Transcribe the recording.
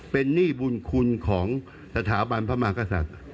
เป็นหนี้บุญคุณของสถาบันพระมากษัตริย์